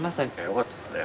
よかったですね。